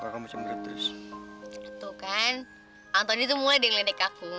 ada mulut putih seperti ini